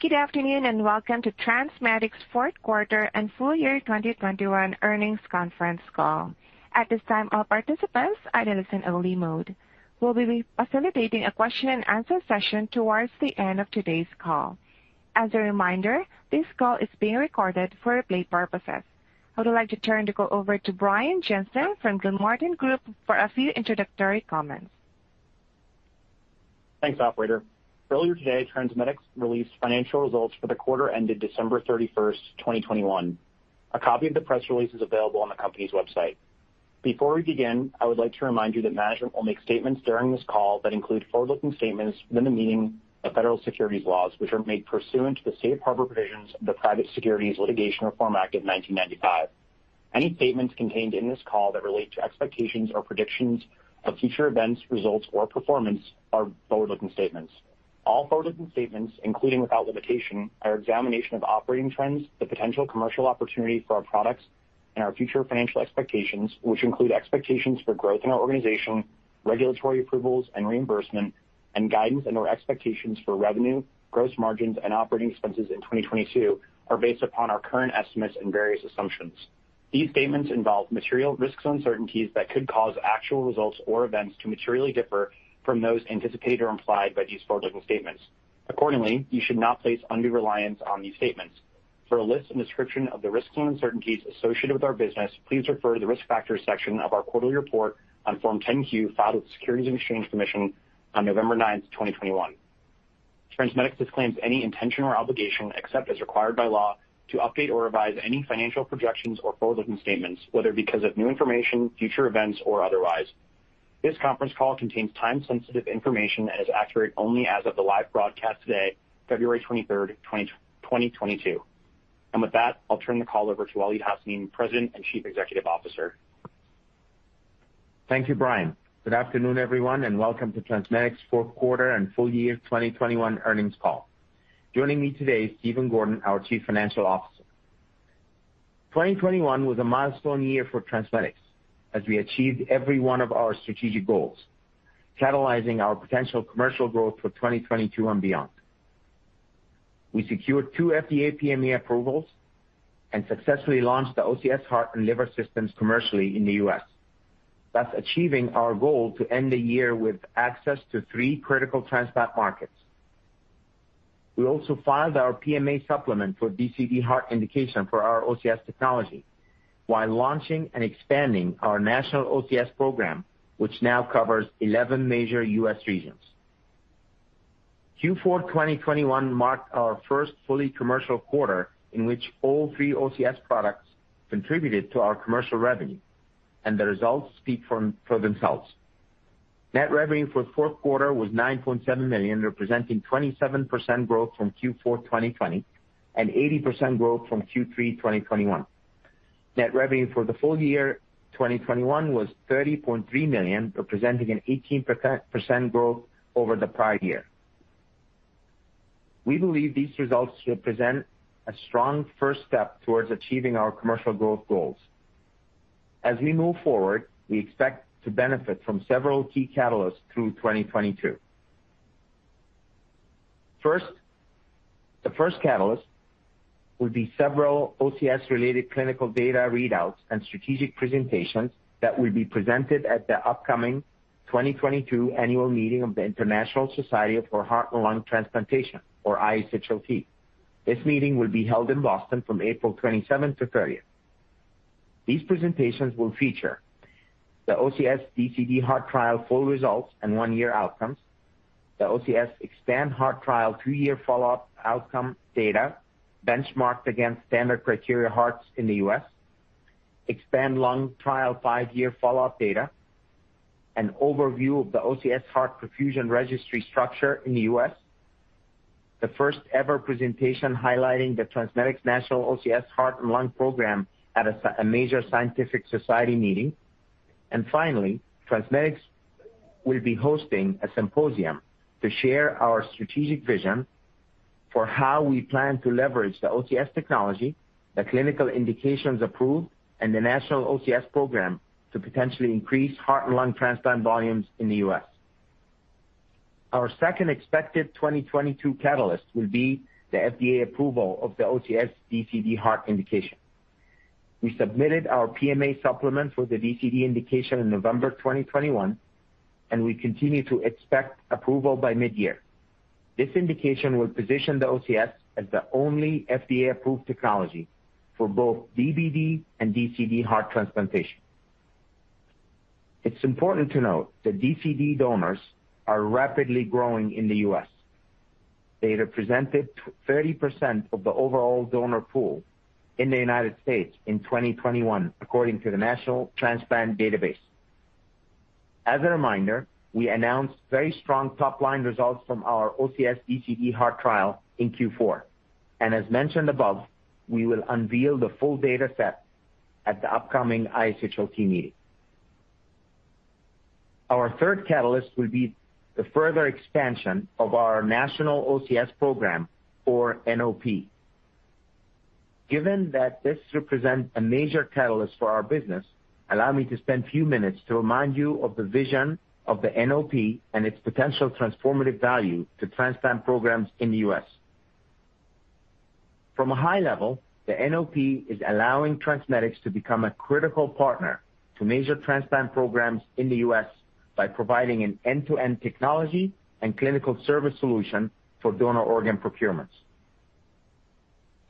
Good afternoon, and welcome to TransMedics' fourth quarter and full year 2021 earnings conference call. At this time, all participants are in listen only mode. We'll be facilitating a question and answer session towards the end of today's call. As a reminder, this call is being recorded for replay purposes. I would like to turn the call over to Brian Jensen from Gilmartin Group for a few introductory comments. Thanks, operator. Earlier today, TransMedics released financial results for the quarter ended December 31st, 2021. A copy of the press release is available on the company's website. Before we begin, I would like to remind you that management will make statements during this call that include forward-looking statements within the meaning of federal securities laws, which are made pursuant to the safe harbor provisions of the Private Securities Litigation Reform Act of 1995. Any statements contained in this call that relate to expectations or predictions of future events, results or performance are forward-looking statements. All forward-looking statements, including without limitation, our examination of operating trends, the potential commercial opportunity for our products, and our future financial expectations, which include expectations for growth in our organization, regulatory approvals and reimbursement, and guidance and/or expectations for revenue, gross margins, and operating expenses in 2022, are based upon our current estimates and various assumptions. These statements involve material risks and uncertainties that could cause actual results or events to materially differ from those anticipated or implied by these forward-looking statements. Accordingly, you should not place undue reliance on these statements. For a list and description of the risks and uncertainties associated with our business, please refer to the Risk Factors section of our quarterly report on Form 10-Q filed with the Securities and Exchange Commission on November 9th, 2021. TransMedics disclaims any intention or obligation, except as required by law, to update or revise any financial projections or forward-looking statements, whether because of new information, future events, or otherwise. This conference call contains time-sensitive information and is accurate only as of the live broadcast today, February 23rd, 2022. With that, I'll turn the call over to Waleed Hassanein, President and Chief Executive Officer. Thank you, Brian. Good afternoon, everyone, and welcome to TransMedics' fourth quarter and full year 2021 earnings call. Joining me today is Stephen Gordon, our Chief Financial Officer. 2021 was a milestone year for TransMedics as we achieved every one of our strategic goals, catalyzing our potential commercial growth for 2022 and beyond. We secured two FDA PMA approvals and successfully launched the OCS Heart and Liver systems commercially in the U.S. Thus achieving our goal to end the year with access to three critical transplant markets. We also filed our PMA supplement for DCD heart indication for our OCS technology while launching and expanding our national OCS program, which now covers 11 major U.S. regions. Q4 2021 marked our first fully commercial quarter in which all three OCS products contributed to our commercial revenue, and the results speak for themselves. Net revenue for the fourth quarter was $9.7 million, representing 27% growth from Q4 2020 and 80% growth from Q3 2021. Net revenue for the full year 2021 was $30.3 million, representing 18% growth over the prior year. We believe these results represent a strong first step towards achieving our commercial growth goals. As we move forward, we expect to benefit from several key catalysts through 2022. The first catalyst will be several OCS-related clinical data readouts and strategic presentations that will be presented at the upcoming 2022 annual meeting of the International Society for Heart and Lung Transplantation, or ISHLT. This meeting will be held in Boston from April 27th to 30th. These presentations will feature the OCS DCD Heart Trial full results and one-year outcomes, the OCS Heart EXPAND Trial two-year follow-up outcome data benchmarked against standard criteria hearts in the U.S., EXPAND Lung Trial five-year follow-up data, an overview of the OCS Heart Perfusion Registry structure in the U.S., the first ever presentation highlighting the TransMedics National OCS Heart and Lung Program at a major scientific society meeting. Finally, TransMedics will be hosting a symposium to share our strategic vision for how we plan to leverage the OCS technology, the clinical indications approved, and the National OCS Program to potentially increase heart and lung transplant volumes in the U.S. Our second expected 2022 catalyst will be the FDA approval of the OCS DCD heart indication. We submitted our PMA supplement for the DCD indication in November 2021, and we continue to expect approval by mid-year. This indication will position the OCS as the only FDA-approved technology for both DBD and DCD heart transplantation. It's important to note that DCD donors are rapidly growing in the U.S. Data presented 30% of the overall donor pool in the United States in 2021, according to the National Transplant Database. As a reminder, we announced very strong top-line results from our OCS DCD heart trial in Q4. As mentioned above, we will unveil the full data set at the upcoming ISHLT meeting. Our third catalyst will be the further expansion of our national OCS program or NOP. Given that this represents a major catalyst for our business, allow me to spend a few minutes to remind you of the vision of the NOP and its potential transformative value to transplant programs in the U.S. From a high level, the NOP is allowing TransMedics to become a critical partner to major transplant programs in the U.S. by providing an end-to-end technology and clinical service solution for donor organ procurements.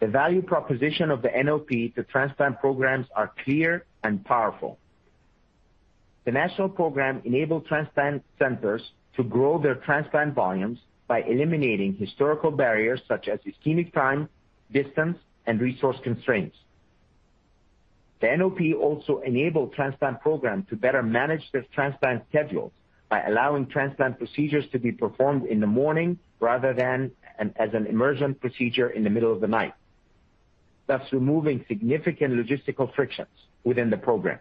The value proposition of the NOP to transplant programs are clear and powerful. The national program enabled transplant centers to grow their transplant volumes by eliminating historical barriers such as ischemic time, distance, and resource constraints. The NOP also enabled transplant programs to better manage their transplant schedules by allowing transplant procedures to be performed in the morning rather than as an emergent procedure in the middle of the night, thus removing significant logistical frictions within the program.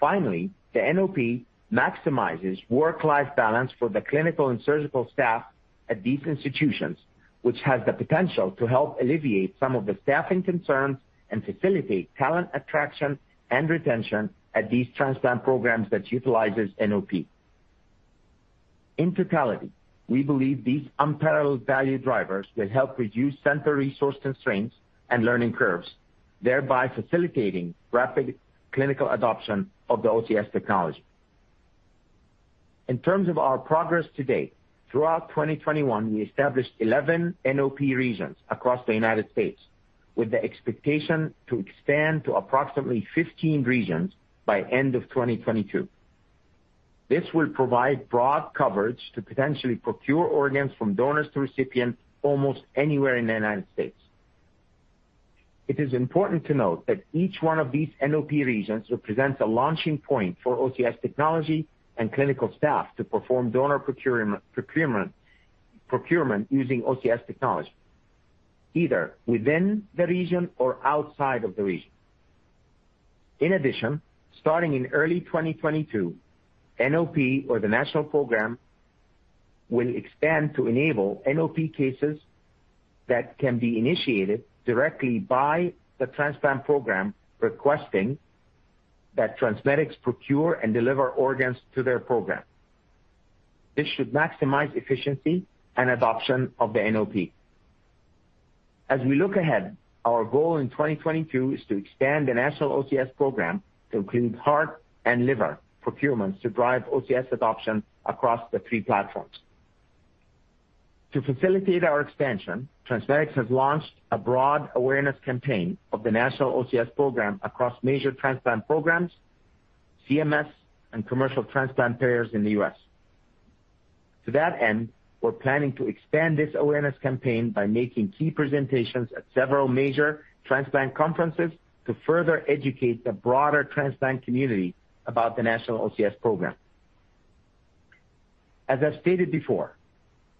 Finally, the NOP maximizes work-life balance for the clinical and surgical staff at these institutions, which has the potential to help alleviate some of the staffing concerns and facilitate talent attraction and retention at these transplant programs that utilizes NOP. In totality, we believe these unparalleled value drivers will help reduce center resource constraints and learning curves, thereby facilitating rapid clinical adoption of the OCS technology. In terms of our progress to date, throughout 2021, we established 11 NOP regions across the United States, with the expectation to expand to approximately 15 regions by end of 2022. This will provide broad coverage to potentially procure organs from donors to recipients almost anywhere in the United States. It is important to note that each one of these NOP regions represents a launching point for OCS technology and clinical staff to perform donor procurement using OCS technology, either within the region or outside of the region. In addition, starting in early 2022, NOP or the national program will expand to enable NOP cases that can be initiated directly by the transplant program requesting that TransMedics procure and deliver organs to their program. This should maximize efficiency and adoption of the NOP. As we look ahead, our goal in 2022 is to expand the national OCS program to include heart and liver procurements to drive OCS adoption across the three platforms. To facilitate our expansion, TransMedics has launched a broad awareness campaign of the national OCS program across major transplant programs, CMS, and commercial transplant payers in the U.S. To that end, we're planning to expand this awareness campaign by making key presentations at several major transplant conferences to further educate the broader transplant community about the National OCS Program. As I've stated before,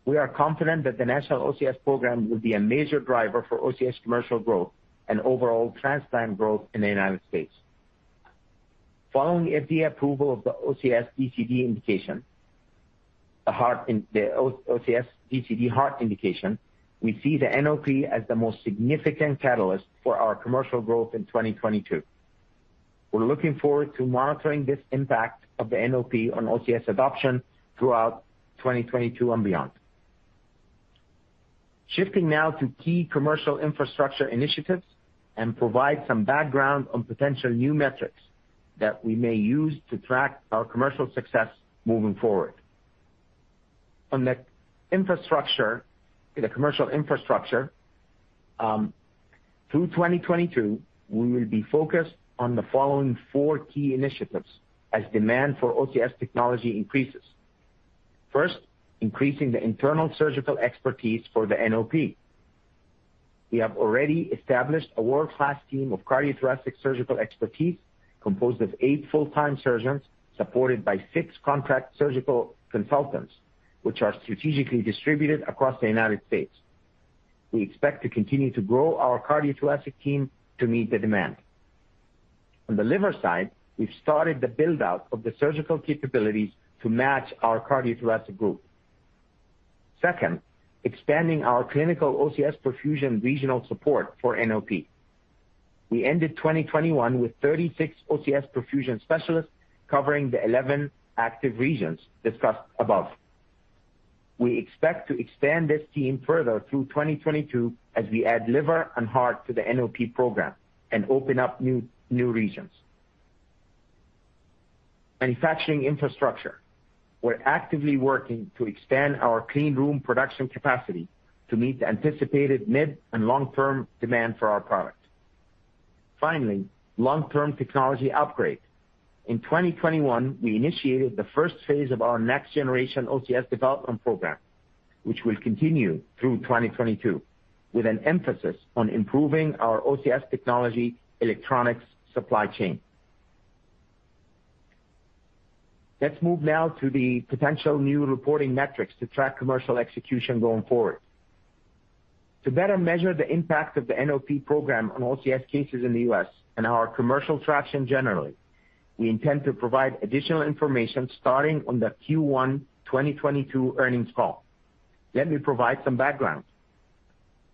we are confident that the National OCS Program will be a major driver for OCS commercial growth and overall transplant growth in the United States. Following FDA approval of the OCS DCD indication, the OCS DCD heart indication, we see the NOP as the most significant catalyst for our commercial growth in 2022. We're looking forward to monitoring this impact of the NOP on OCS adoption throughout 2022 and beyond. Shifting now to key commercial infrastructure initiatives and provide some background on potential new metrics that we may use to track our commercial success moving forward. On the infrastructure, the commercial infrastructure, through 2022, we will be focused on the following four key initiatives as demand for OCS technology increases. First, increasing the internal surgical expertise for the NOP. We have already established a world-class team of cardiothoracic surgical expertise composed of eight full-time surgeons supported by six contract surgical consultants, which are strategically distributed across the United States. We expect to continue to grow our cardiothoracic team to meet the demand. On the liver side, we've started the build-out of the surgical capabilities to match our cardiothoracic group. Second, expanding our clinical OCS perfusion regional support for NOP. We ended 2021 with 36 OCS perfusion specialists covering the 11 active regions discussed above. We expect to expand this team further through 2022 as we add liver and heart to the NOP program and open up new regions. Manufacturing infrastructure. We're actively working to expand our clean room production capacity to meet the anticipated mid- and long-term demand for our product. Finally, long-term technology upgrade. In 2021, we initiated the first phase of our next-generation OCS development program, which will continue through 2022, with an emphasis on improving our OCS technology electronics supply chain. Let's move now to the potential new reporting metrics to track commercial execution going forward. To better measure the impact of the NOP program on OCS cases in the U.S. and our commercial traction generally. We intend to provide additional information starting on the Q1 2022 earnings call. Let me provide some background.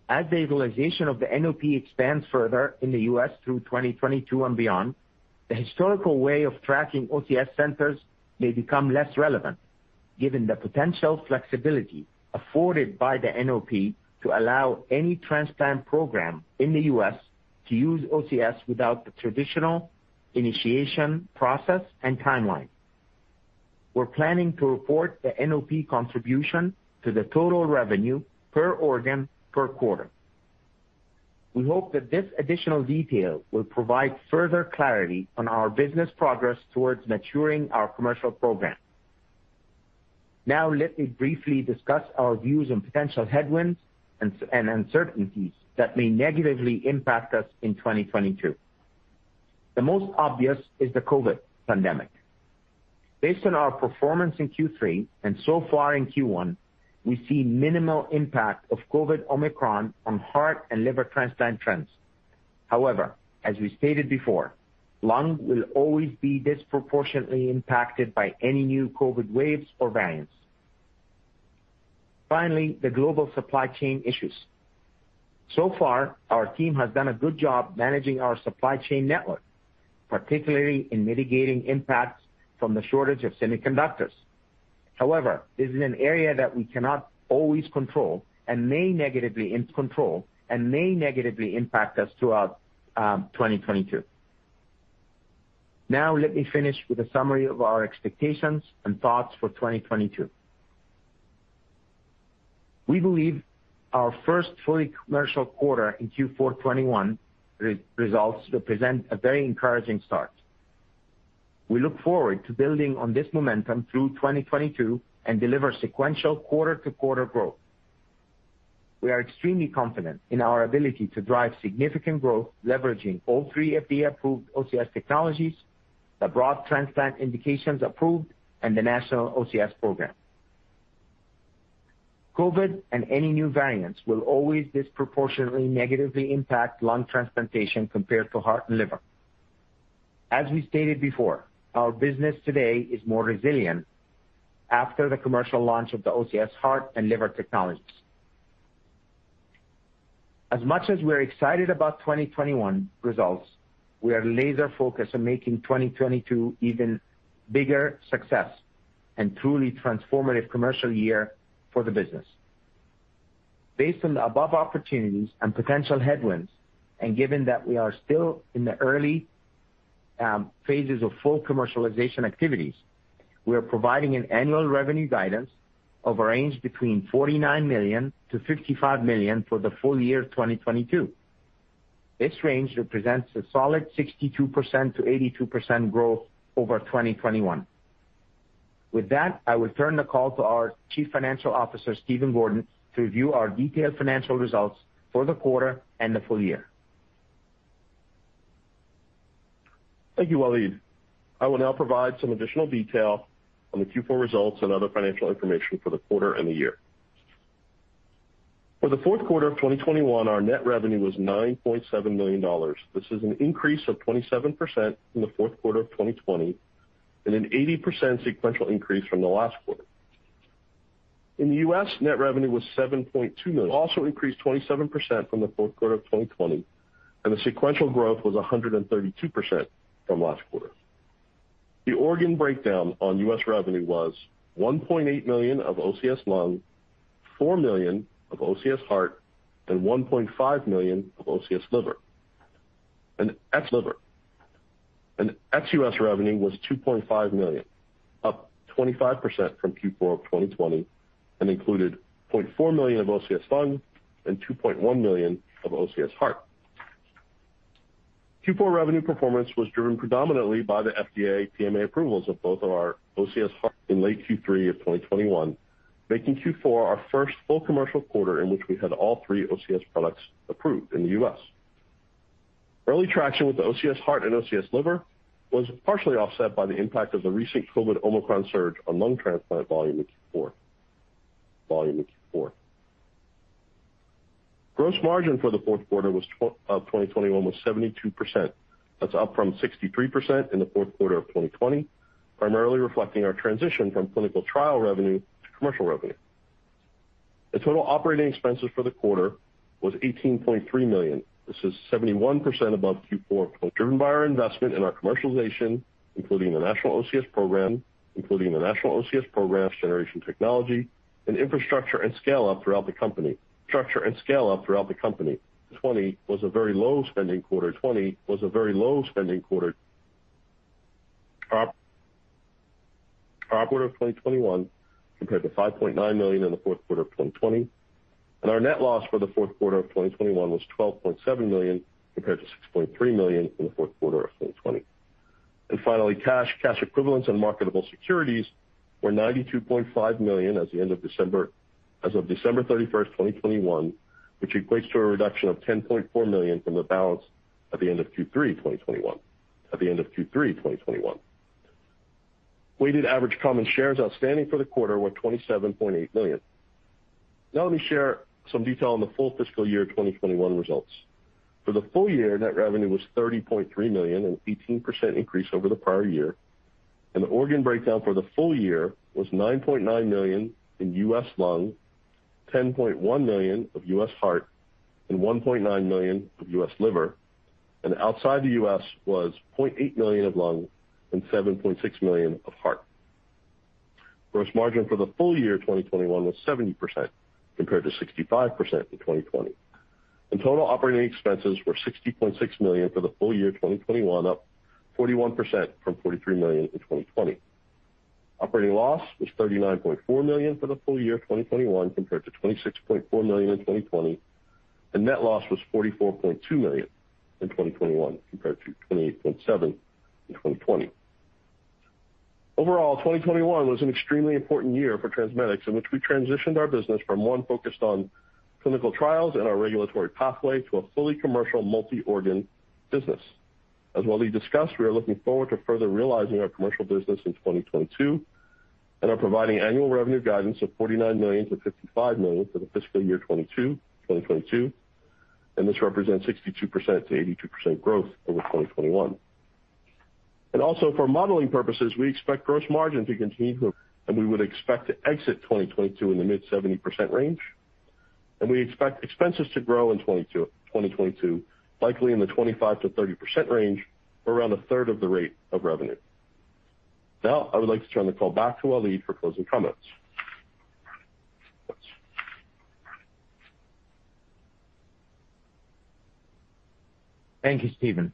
As the utilization of the NOP expands further in the U.S. through 2022 and beyond, the historical way of tracking OCS centers may become less relevant given the potential flexibility afforded by the NOP to allow any transplant program in the U.S. to use OCS without the traditional initiation process and timeline. We're planning to report the NOP contribution to the total revenue per organ per quarter. We hope that this additional detail will provide further clarity on our business progress towards maturing our commercial program. Now let me briefly discuss our views on potential headwinds and uncertainties that may negatively impact us in 2022. The most obvious is the Covid pandemic. Based on our performance in Q3 and so far in Q1, we see minimal impact of Covid Omicron on heart and liver transplant trends. However, as we stated before, lung will always be disproportionately impacted by any new Covid waves or variants. Finally, the global supply chain issues. So far, our team has done a good job managing our supply chain network, particularly in mitigating impacts from the shortage of semiconductors. However, this is an area that we cannot always control and may negatively impact us throughout 2022. Now let me finish with a summary of our expectations and thoughts for 2022. We believe our first fully commercial quarter in Q4 2021 results represent a very encouraging start. We look forward to building on this momentum through 2022 and deliver sequential quarter to quarter growth. We are extremely confident in our ability to drive significant growth, leveraging all three FDA-approved OCS technologies, the broad transplant indications approved, and the national OCS program. COVID and any new variants will always disproportionately negatively impact lung transplantation compared to heart and liver. As we stated before, our business today is more resilient after the commercial launch of the OCS heart and liver technologies. As much as we're excited about 2021 results, we are laser focused on making 2022 even bigger success and truly transformative commercial year for the business. Based on the above opportunities and potential headwinds, and given that we are still in the early phases of full commercialization activities, we are providing an annual revenue guidance of a range between $49 million-$55 million for the full year of 2022. This range represents a solid 62%-82% growth over 2021. With that, I will turn the call to our Chief Financial Officer, Stephen Gordon, to review our detailed financial results for the quarter and the full year. Thank you, Waleed. I will now provide some additional detail on the Q4 results and other financial information for the quarter and the year. For the fourth quarter of 2021, our net revenue was $9.7 million. This is an increase of 27% from the fourth quarter of 2020 and an 80% sequential increase from the last quarter. In the U.S., net revenue was $7.2 million, also increased 27% from the fourth quarter of 2020, and the sequential growth was a 132% from last quarter. The organ breakdown on U.S. revenue was $1.8 million of OCS Lung, $4 million of OCS Heart, and $1.5 million of OCS Liver. U.S. revenue was $2.5 million, up 25% from Q4 of 2020, and included $0.4 million of OCS Lung and $2.1 million of OCS Heart. Q4 revenue performance was driven predominantly by the FDA PMA approvals of both of our OCS Heart in late Q3 of 2021, making Q4 our first full commercial quarter in which we had all three OCS products approved in the U.S. Early traction with the OCS Heart and OCS Liver was partially offset by the impact of the recent COVID Omicron surge on lung transplant volume in Q4. Gross margin for the fourth quarter of 2021 was 72%. That's up from 63% in the fourth quarter of 2020, primarily reflecting our transition from clinical trial revenue to commercial revenue. Total operating expenses for the quarter was $18.3 million. This is 71% above Q4, driven by our investment in our commercialization, including the national OCS program, including the national OCS program's generation technology and infrastructure and scale up throughout the company. 2020 was a very low spending quarter. Our quarter of 2021 compared to $5.9 million in the fourth quarter of 2020. Our net loss for the fourth quarter of 2021 was $12.7 million, compared to $6.3 million in the fourth quarter of 2020. Finally, cash equivalents and marketable securities were $92.5 million as of December 31st, 2021, which equates to a reduction of $10.4 million from the balance at the end of Q3 2021. At the end of Q3 2021, weighted average common shares outstanding for the quarter were 27.8 million. Now let me share some detail on the full fiscal year 2021 results. For the full year, net revenue was $30.3 million, an 18% increase over the prior year. The organ breakdown for the full year was $9.9 million in U.S. lung, $10.1 million of U.S. heart, and $1.9 million of U.S. liver. Outside the U.S. Was $0.8 million of lung and $7.6 million of heart. Gross margin for the full year 2021 was 70% compared to 65% in 2020. Total operating expenses were $60.6 million for the full year 2021, up 41% from $43 million in 2020. Operating loss was $39.4 million for the full year 2021 compared to $26.4 million in 2020. Net loss was $44.2 million in 2021 compared to $28.7 million in 2020. Overall, 2021 was an extremely important year for TransMedics in which we transitioned our business from one focused on clinical trials and our regulatory pathway to a fully commercial multi-organ business. As Waleed discussed, we are looking forward to further realizing our commercial business in 2022 and are providing annual revenue guidance of $49 million-$55 million for the fiscal year 2022, and this represents 62%-82% growth over 2021. Also for modeling purposes, we expect gross margin to continue to, and we would expect to exit 2022 in the mid-70% range. We expect expenses to grow in 2022, likely in the 25%-30% range around a third of the rate of revenue. Now I would like to turn the call back to Waleed Hassanein for closing comments. Thank you, Stephen.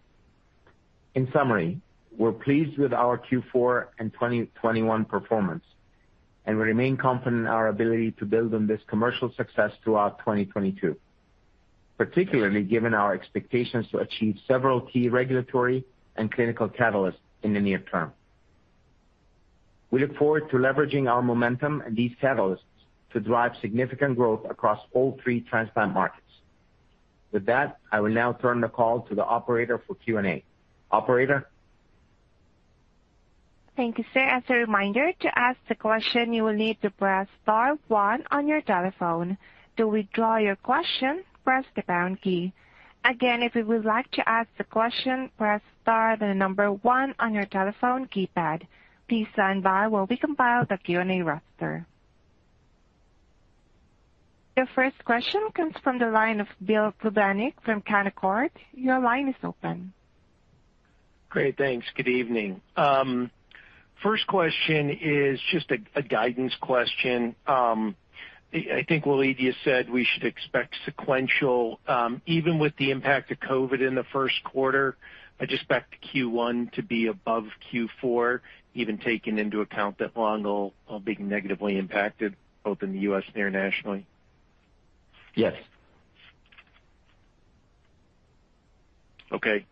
In summary, we're pleased with our Q4 and 2021 performance, and we remain confident in our ability to build on this commercial success throughout 2022, particularly given our expectations to achieve several key regulatory and clinical catalysts in the near term. We look forward to leveraging our momentum and these catalysts to drive significant growth across all three transplant markets. With that, I will now turn the call to the operator for Q&A. Operator? Thank you, sir. As a reminder, to ask the question, you will need to press star one on your telephone. To withdraw your question, press the pound key. Again, if you would like to ask the question, press star, the number one on your telephone keypad. Please stand by while we compile the Q&A roster. Your first question comes from the line of Bill Plovanic from Canaccord. Your line is open. Great. Thanks. Good evening. First question is just a guidance question. I think, Waleed, you said we should expect sequential, even with the impact of Covid in the first quarter, I'd expect Q1 to be above Q4, even taking into account that lung will be negatively impacted both in the U.S. and internationally. Yes. Okay.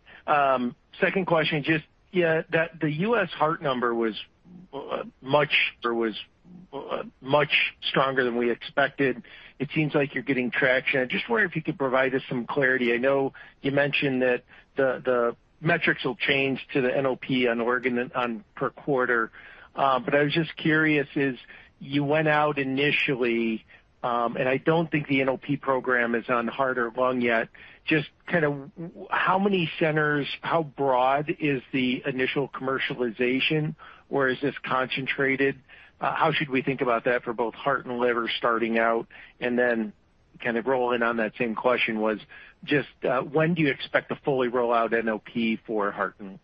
Second question, just, yeah, that the U.S. heart number was much stronger than we expected. It seems like you're getting traction. Just wondering if you could provide us some clarity. I know you mentioned that the metrics will change to the NOP on organ per quarter. But I was just curious if you went out initially, and I don't think the NOP program is on heart or lung yet. Just kind of how many centers, how broad is the initial commercialization, or is this concentrated? How should we think about that for both heart and liver starting out? Then kind of rolling on that same question was just, when do you expect to fully roll out NOP for heart and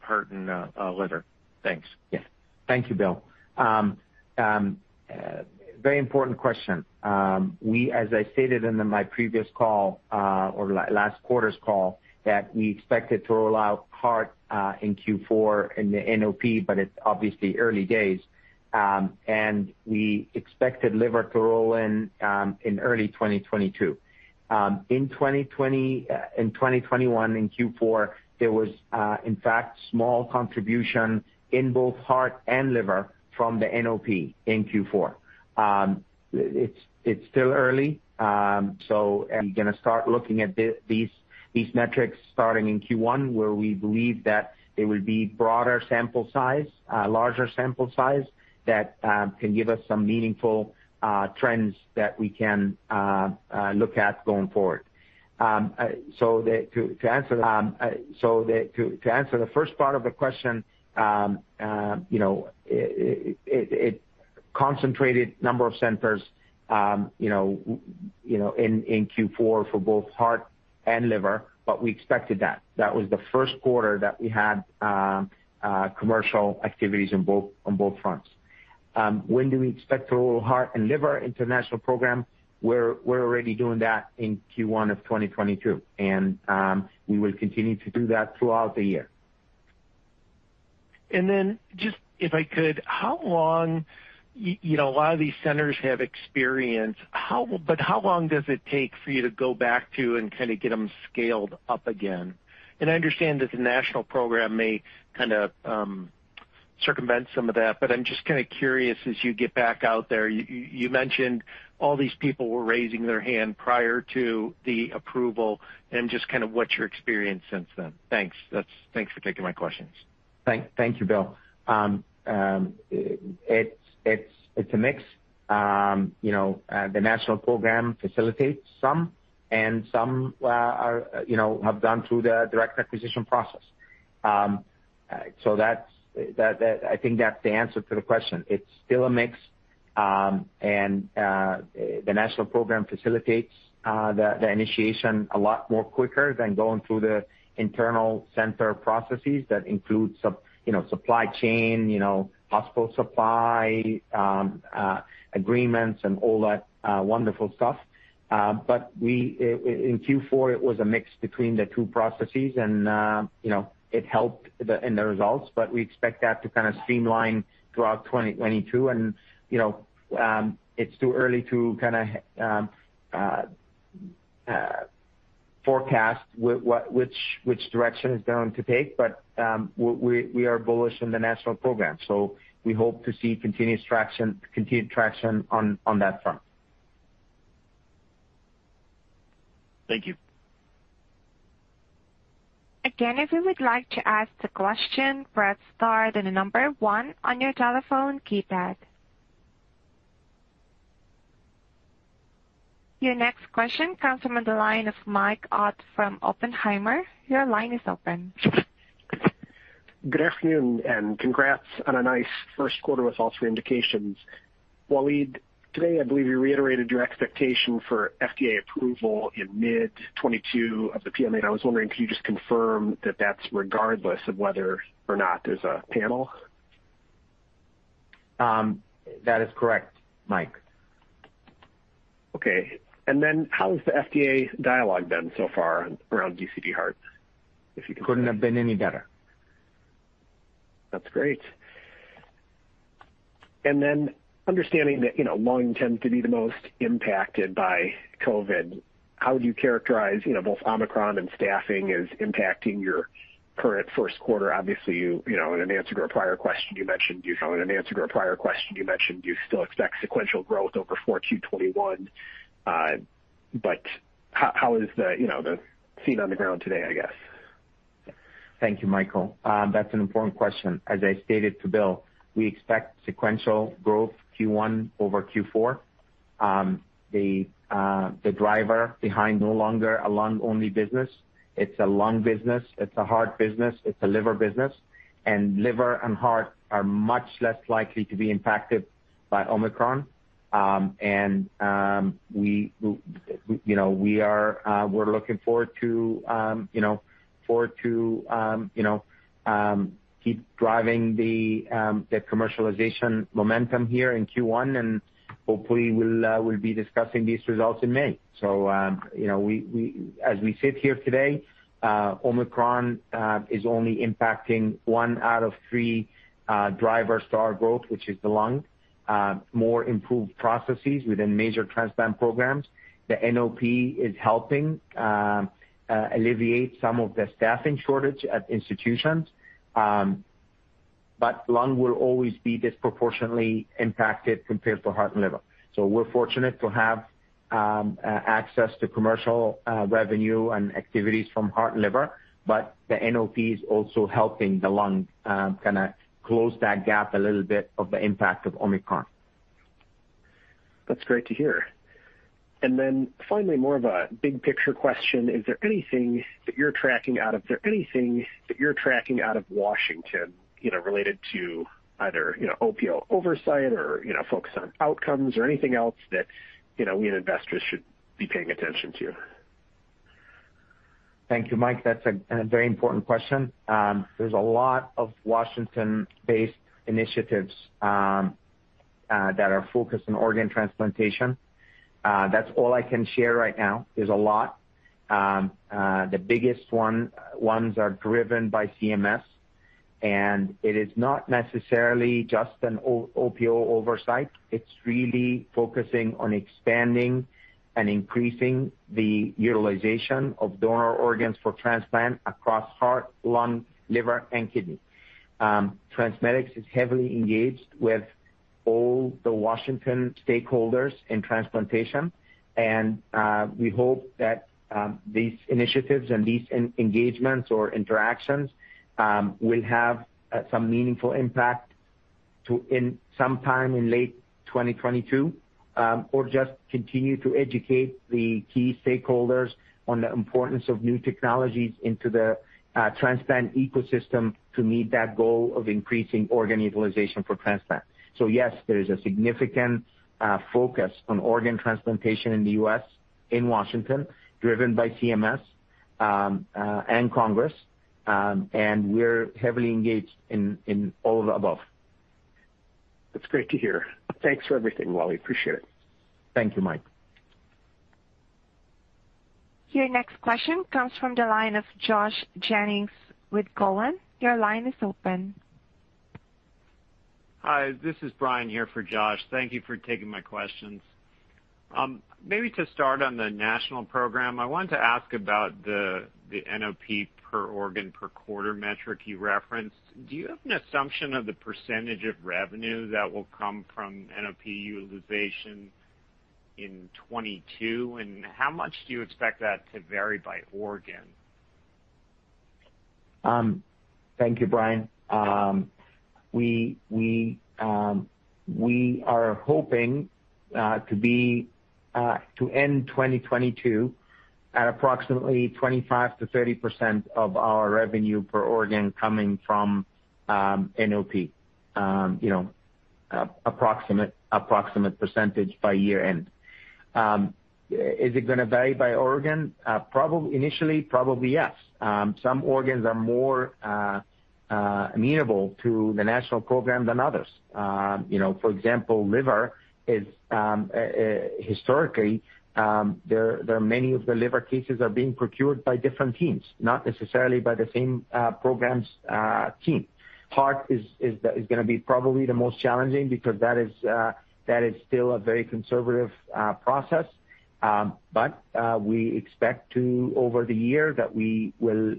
liver? Thanks. Yeah. Thank you, Bill. Very important question. As I stated in my previous call, or last quarter's call, that we expected to roll out heart in Q4 in the NOP, but it's obviously early days. We expected liver to roll in in early 2022. In 2021, in Q4, there was, in fact, small contribution in both heart and liver from the NOP in Q4. It's still early. I'm gonna start looking at these metrics starting in Q1, where we believe that it will be broader sample size, larger sample size that can give us some meaningful trends that we can look at going forward. To answer the first part of the question, you know, it concentrated number of centers, you know, in Q4 for both heart and liver, but we expected that. That was the first quarter that we had commercial activities on both fronts. When do we expect to roll heart and liver international program? We're already doing that in Q1 of 2022, and we will continue to do that throughout the year. Just if I could, how long, you know, a lot of these centers have experience. How long does it take for you to go back to and kinda get them scaled up again? I understand that the national program may kinda circumvent some of that, but I'm just kinda curious as you get back out there. You mentioned all these people were raising their hand prior to the approval and just kind of what's your experience since then. Thanks for taking my questions. Thank you, Bill. It's a mix. You know, the national program facilitates some and some are, you know, have gone through the direct acquisition process. I think that's the answer to the question. It's still a mix, and the national program facilitates the initiation a lot more quicker than going through the internal center processes that include supply chain, you know, hospital supply agreements and all that wonderful stuff. In Q4, it was a mix between the two processes and, you know, it helped in the results, but we expect that to kind of streamline throughout 2022. You know, it's too early to kinda forecast which direction it's going to take. We are bullish on the national program, so we hope to see continued traction on that front. Thank you. Again, if you would like to ask the question, press star then one on your telephone keypad. Your next question comes from the line of Mike Matson from Oppenheimer. Your line is open. Good afternoon, and congrats on a nice first quarter with all three indications. Waleed, today, I believe you reiterated your expectation for FDA approval in mid-2022 of the PMA. I was wondering, can you just confirm that that's regardless of whether or not there's a panel? That is correct, Mike. Okay. How has the FDA dialogue been so far around DCD heart, if you can say? Couldn't have been any better. That's great. Understanding that, you know, lung tends to be the most impacted by Covid, how do you characterize, you know, both Omicron and staffing as impacting your current first quarter? Obviously, you know, in an answer to a prior question you mentioned you still expect sequential growth over 4Q 2021. How is the, you know, the scene on the ground today, I guess? Thank you, Mike. That's an important question. As I stated to Bill, we expect sequential growth Q1 over Q4. The driver behind no longer a lung-only business, it's a lung business, it's a heart business, it's a liver business, and liver and heart are much less likely to be impacted by Omicron. We're looking forward to, you know, keep driving the commercialization momentum here in Q1, and hopefully we'll be discussing these results in May. As we sit here today, Omicron is only impacting one out of three drivers to our growth, which is the lung. More improved processes within major transplant programs. The NOP is helping alleviate some of the staffing shortage at institutions. Lung will always be disproportionately impacted compared to heart and liver. We're fortunate to have access to commercial revenue and activities from heart and liver, but the NOP is also helping the lung kinda close that gap a little bit of the impact of Omicron. That's great to hear. Then finally, more of a big picture question. Is there anything that you're tracking out of Washington, you know, related to either, you know, OPO oversight or, you know, focus on outcomes or anything else that, you know, we investors should be paying attention to? Thank you, Mike. That's a very important question. There's a lot of Washington-based initiatives that are focused on organ transplantation. That's all I can share right now. There's a lot. The biggest ones are driven by CMS, and it is not necessarily just an OPO oversight. It's really focusing on expanding and increasing the utilization of donor organs for transplant across heart, lung, liver, and kidney. TransMedics is heavily engaged with all the Washington stakeholders in transplantation, and we hope that these initiatives and these engagements or interactions will have some meaningful impact in sometime in late 2022, or just continue to educate the key stakeholders on the importance of new technologies into the transplant ecosystem to meet that goal of increasing organ utilization for transplant. Yes, there is a significant focus on organ transplantation in the U.S. in Washington, driven by CMS and Congress. We're heavily engaged in all of the above. That's great to hear. Thanks for everything, Waleed. Appreciate it. Thank you, Mike. Your next question comes from the line of Josh Jennings with Cowen. Your line is open. Hi, this is Brian here for Josh. Thank you for taking my questions. Maybe to start on the national program, I wanted to ask about the NOP per organ per quarter metric you referenced. Do you have an assumption of the percentage of revenue that will come from NOP utilization in 2022, and how much do you expect that to vary by organ? Thank you, Brian. We are hoping to end 2022 at approximately 25%-30% of our revenue per organ coming from NOP. Approximate percentage by year-end. Is it going to vary by organ? Probably initially, yes. Some organs are more amenable to the national program than others. For example, liver is historically there are many of the liver cases are being procured by different teams, not necessarily by the same programs team. Heart is going to be probably the most challenging because that is still a very conservative process. We expect to over the year that we will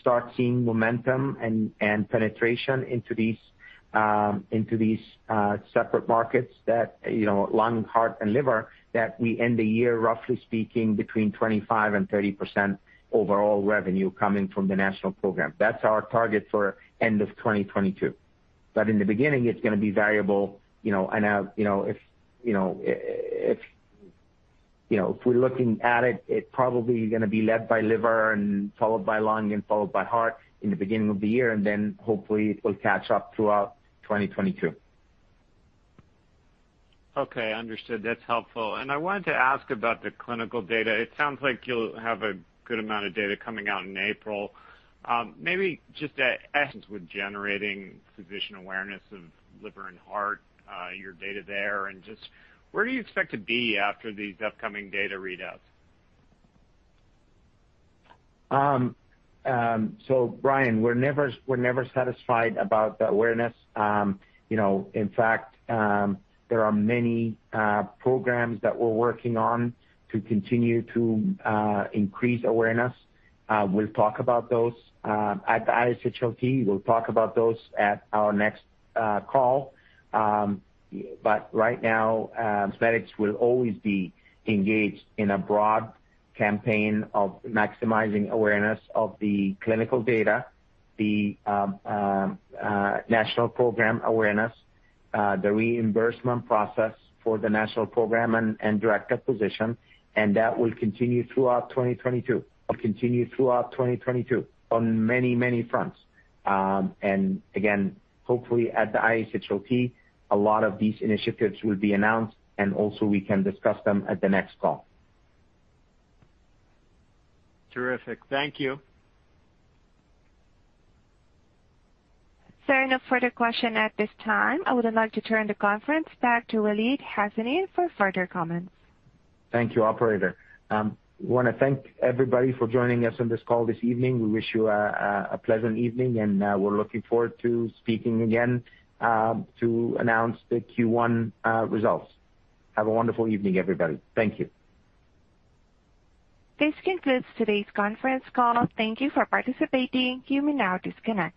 start seeing momentum and penetration into these separate markets that you know lung heart and liver that we end the year roughly speaking between 25% and 30% overall revenue coming from the national program. That's our target for end of 2022. In the beginning it's going to be variable you know and if we're looking at it it's probably going to be led by liver and followed by lung and followed by heart in the beginning of the year. Then hopefully it will catch up throughout 2022. Okay, understood. That's helpful. I wanted to ask about the clinical data. It sounds like you'll have a good amount of data coming out in April. Maybe just with generating physician awareness of liver and heart, your data there, and just where do you expect to be after these upcoming data readouts? Brian, we're never satisfied about the awareness. You know, in fact, there are many programs that we're working on to continue to increase awareness. We'll talk about those at ISHLT. We'll talk about those at our next call. Right now, TransMedics will always be engaged in a broad campaign of maximizing awareness of the clinical data, the national program awareness, the reimbursement process for the national program and direct acquisition. That will continue throughout 2022. It'll continue throughout 2022 on many, many fronts. Again, hopefully at the ISHLT, a lot of these initiatives will be announced, and also we can discuss them at the next call. Terrific. Thank you. There are no further questions at this time. I would like to turn the conference back to Waleed Hassanein for further comments. Thank you, operator. I want to thank everybody for joining us on this call this evening. We wish you a pleasant evening, and we're looking forward to speaking again to announce the Q1 results. Have a wonderful evening, everybody. Thank you. This concludes today's conference call. Thank you for participating. You may now disconnect.